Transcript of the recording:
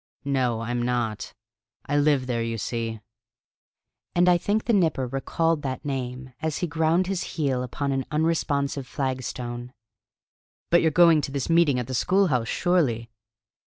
"No, I'm not. I live there, you see." And I think the Nipper recalled that name as he ground his heel upon an unresponsive flagstone. "But you're going to this meeting at the school house, surely?"